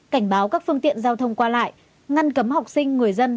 cảnh báo các phương tiện giao thông qua lại ngăn cấm học sinh người dân